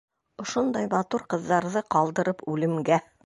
Ошондай матур ҡыҙҙарҙы ҡалдырып үлемгә!